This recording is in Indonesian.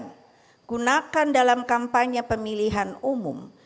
yang digunakan dalam kampanye pemilihan umum